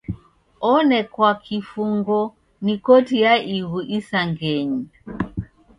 Onekwa kifungo ni Koti ya Ighu Isangenyi.